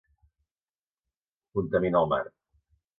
Contamina el mar.